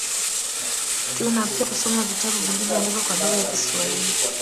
Tunapenda kusoma vitabu vilivyoandikwa kwa lugha ya Kiswahili